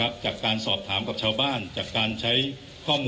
คุณผู้ชมไปฟังผู้ว่ารัฐกาลจังหวัดเชียงรายแถลงตอนนี้ค่ะ